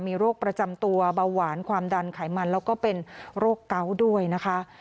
มีโรคประจำตัวเบาหวานความดันไขมันแล้วก็เป็นโรคเกาะด้วยนะคะ